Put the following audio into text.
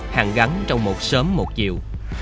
hàng gắn trong một sớm một chiều